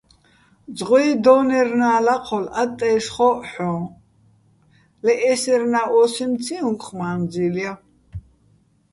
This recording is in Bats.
ზღვეჲ დო́ნერნა́ ლაჴოლ ატტაჲშ ხო́ჸო̆ ჰ̦ოჼ, ლე ესერნა́ ო́სიმციჼ უ̂ხ მა́ნძილ ჲა.